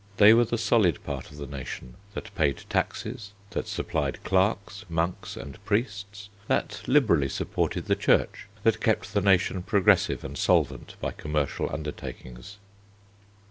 They were the solid part of the nation, that paid taxes, that supplied clerks, monks, and priests, that liberally supported the Church, that kept the nation progressive and solvent by commercial undertakings.